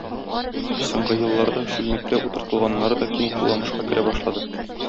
Соңгы елларда чүлмәккә утыртылганнары да киң кулланышка керә башлады.